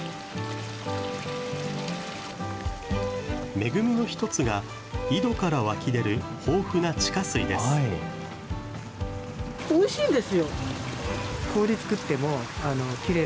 恵みの１つが井戸から湧き出る豊富な地下水です。